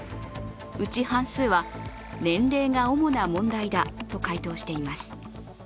うち半数は年齢が主な問題だと回答しています。